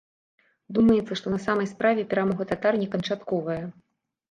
Думаецца, што на самай справе перамога татар не канчатковая.